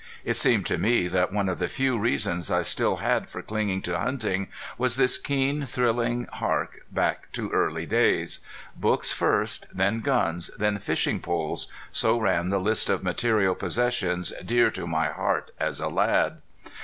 It seemed to me that one of the few reasons I still had for clinging to hunting was this keen, thrilling hark back to early days. Books first then guns then fishing poles so ran the list of material possessions dear to my heart as a lad.